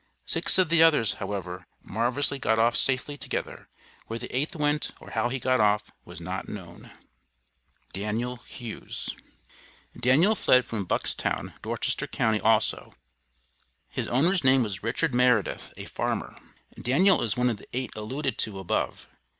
Six of the others, however, marvellously got off safely together; where the eighth went, or how he got off, was not known. DANIEL HUGHES. Daniel fled from Buckstown, Dorchester Co., also. His owner's name was Richard Meredith, a farmer. Daniel is one of the eight alluded to above.